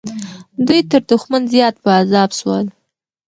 دوی تر دښمن زیات په عذاب سول.